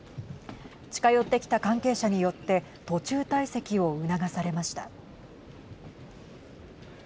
近寄ってきた関係者によって途中退席を促されました。